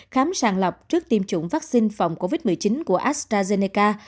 khám sàng lọc trước tiêm chủng vaccine phòng covid một mươi chín của astrazeneca